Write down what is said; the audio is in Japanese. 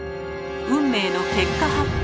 運命の結果発表。